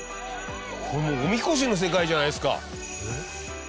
これおみこしの世界じゃないですか。